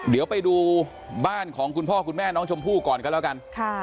เดี๋ยวไปดูบ้านของคุณพ่อคุณแม่น้องชมพู่ก่อนกันแล้วกัน